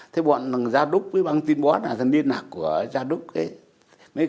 thế bọn gia đúc với băng tin bó là liên lạc của gia đúc ấy